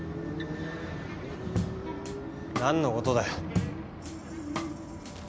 何のことだよ？